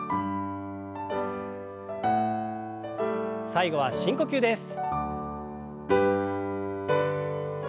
最後は深呼吸です。